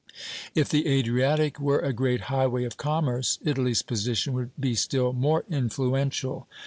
If the Adriatic were a great highway of commerce, Italy's position would be still more influential.